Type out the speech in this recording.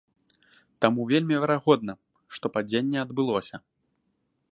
Таму вельмі верагодна, што падзенне адбылося.